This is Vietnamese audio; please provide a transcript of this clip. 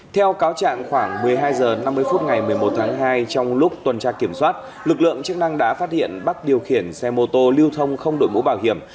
theo cáo trạng khoảng một mươi hai h năm mươi phút ngày một mươi một tháng hai trong lúc tuần tra kiểm soát lực lượng chức năng đã phát hiện bắc điều khiển xe mô tô lưu thông không đội mũ bảo hiểm